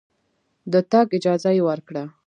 د تګ اجازه یې ورکړه.